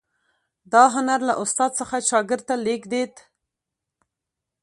دا هنر له استاد څخه شاګرد ته لیږدید.